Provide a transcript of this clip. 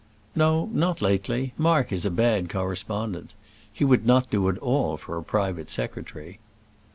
"No; not lately. Mark is a bad correspondent. He would not do at all for a private secretary."